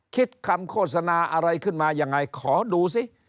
คิดคำโฆษณาอะไรขึ้นมายังไงขอดูสิ